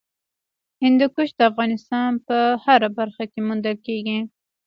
هندوکش د افغانستان په هره برخه کې موندل کېږي.